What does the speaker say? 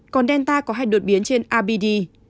còn delta có hai đột biến trên abd